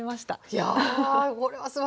いやこれはすばらしい。